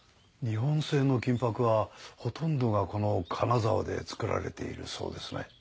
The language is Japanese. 日本製の金箔はほとんどがこの金沢で作られているそうですね。